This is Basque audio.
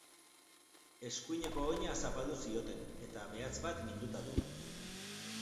Eskuineko oina zapaldu zioten, eta behatz bat minduta du.